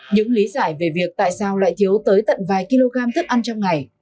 những lý giải về việc tại sao lại thiếu tới tận vài kg thức ăn trong ngày